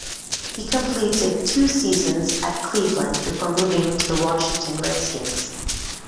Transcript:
He completed two seasons at Cleveland before moving to the Washington Redskins.